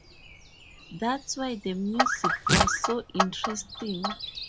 That's why the music was so interesting.